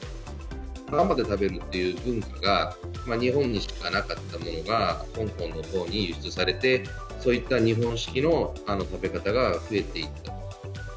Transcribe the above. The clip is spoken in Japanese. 生で食べるという文化が、日本にしかなかったものが、香港のほうに輸出されて、そういった日本式の食べ方が増えていった。